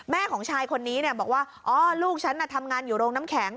ของชายคนนี้บอกว่าอ๋อลูกฉันทำงานอยู่โรงน้ำแข็ง